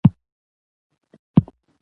د حساب د پټ کوډ ساتل د پیرودونکي مسؤلیت دی۔